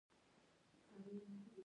شانه د سرک د ترمیم پر مهال د موادو ځای دی